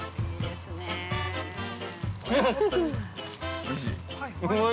◆おいしい？